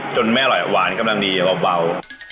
จนไม่อร่อยหวานกำลังดีเบา